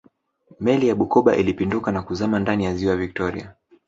meli ya bukoba ilipinduka na kuzama ndani ya ziwa victoria